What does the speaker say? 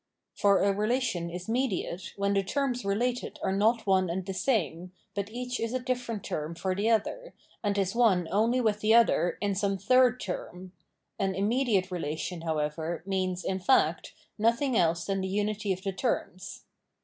For a relation is mediate when the terms related are not one and the same, but each is a different term for the other, and is one only with the other in some third term : an immediate relation, how^ever, means, in fact, nothing else than the unity of the terms.